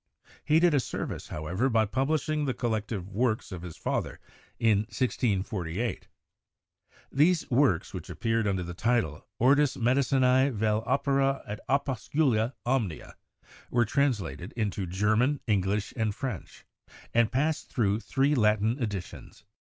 He did a service, however, by publishing the collected works of his father in 1648. These works, which ap peared under the title 'Ortus Medicinas vel Opera et Opus cula Omnia,' were translated into German, English and French, and passed through three Latin editions.